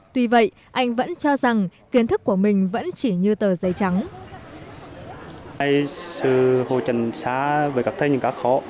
tuy vậy anh vẫn cho rằng kiến thức của mình vẫn chỉ như tờ giấy trắng